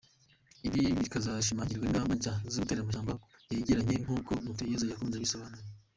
Ibi bikazashimangirwa n’ingamba nshya zo gutera amashyamba yegeranye nk’uko Mutuyeyezu yakomeje abisobanura.